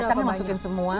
kacangnya masukin semua